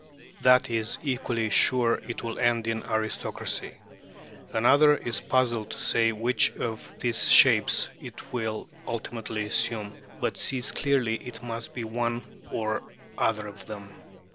That is equally sure it will end in aristocracy. Another is puzzled to say which of these shapes it will ultimately assume, but sees clearly it must be one or other of them.